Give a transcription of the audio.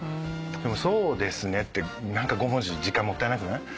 「そうですね」って５文字時間もったいなくない？